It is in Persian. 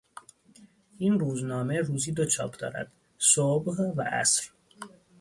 این روزنامه روزی دو چاپ دارد: صبح و عصر